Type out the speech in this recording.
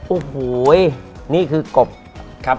โอ้โหนี่คือกบ